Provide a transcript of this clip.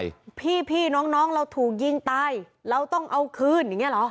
พี่น้องเราถูกยิงตายเราต้องเอาคืนอย่างเงี้เหรอ